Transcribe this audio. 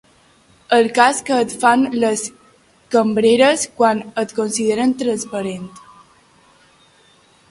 El cas que et fan les cambreres quan et consideren transparent.